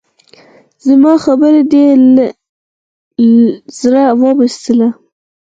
زما خبره دې له زړه اوېستله؟